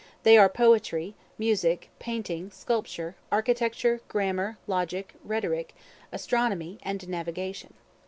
They are Poetry, Music, Painting, Sculpture, Architecture, Grammar, Logic, Rhetoric, Astronomy, and Navigation.